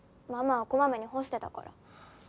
ママはこまめに干してたから。